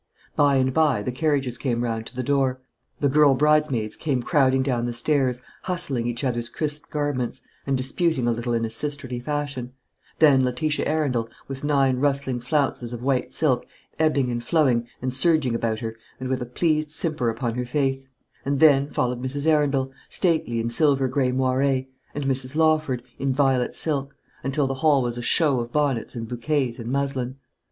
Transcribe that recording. By and by the carriages came round to the door. The girl bridesmaids came crowding down the stairs, hustling each other's crisped garments, and disputing a little in a sisterly fashion; then Letitia Arundel, with nine rustling flounces of white silk ebbing and flowing and surging about her, and with a pleased simper upon her face; and then followed Mrs. Arundel, stately in silver grey moire, and Mrs. Lawford, in violet silk until the hall was a show of bonnets and bouquets and muslin.